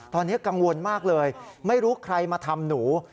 ตอนนี้กังวลมากเลยไม่รู้ใครมาทำหนู